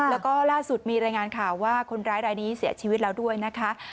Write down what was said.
แล้วก็ล่าสุดมีรายงานข่าวว่าคนร้ายรายนี้เสียชีวิตแล้วด้วยนะคะ